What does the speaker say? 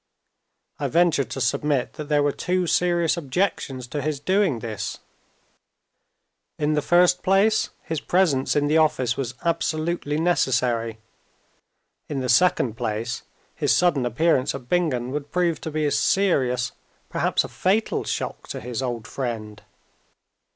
I ventured to submit that there were two serious objections to his doing this: In the first place, his presence in the office was absolutely necessary. In the second place, his sudden appearance at Bingen would prove to be a serious, perhaps a fatal, shock to his old friend.